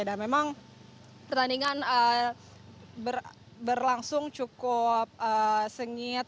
dan memang pertandingan berlangsung cukup sengit